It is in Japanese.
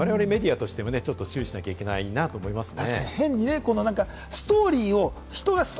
我々メディアとしても注意しなければならないなと思いますよね。